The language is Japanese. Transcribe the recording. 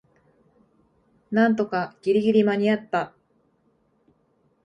なんとかギリギリ間にあった